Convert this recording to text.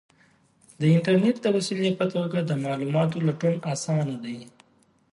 د انټرنیټ د وسیلې په توګه د معلوماتو لټون آسانه دی.